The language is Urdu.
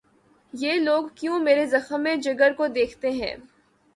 یہ لوگ کیوں مرے زخمِ جگر کو دیکھتے ہیں